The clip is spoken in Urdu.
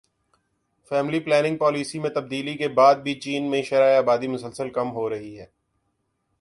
فیملی پلاننگ پالیسی میں تبدیلی کے بعد بھی چین میں شرح آبادی مسلسل کم ہو رہی ہے